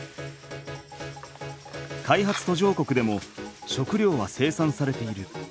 開発途上国でも食料は生産されている。